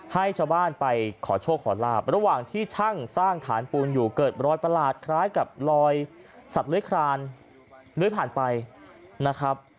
ให้ชาวบ้านไปขอโชคขอลาบระหว่างที่ช่างสร้างฐานปูนอยู่เกิดรอยประหลาดคล้ายกับรอยสัตว์เลื้อยคลานเลื้อยผ่านไปนะครับ